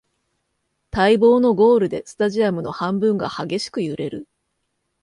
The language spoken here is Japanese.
待望のゴールでスタジアムの半分が激しく揺れる